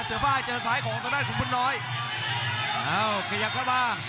เสื้อฝ่ายเจอสายของตรงด้านคุณพลน้อยเอ้าขยับเข้ามา